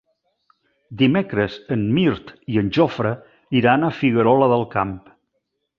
Dimecres en Mirt i en Jofre iran a Figuerola del Camp.